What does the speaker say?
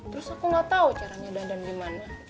terus aku enggak tahu caranya dandan di mana